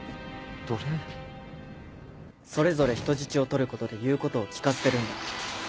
それぞれ人質をとることで言うことを聞かせてるんだ。